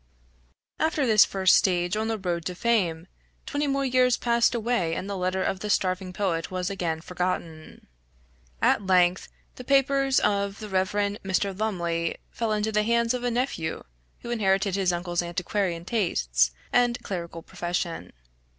After this first stage on the road to fame, twenty more years passed away and the letter of the starving poet was again forgotten. At length the papers of the Rev. Mr. Lumley, fell into the hands of a nephew, who inherited his uncle's antiquarian tastes, and clerical profession.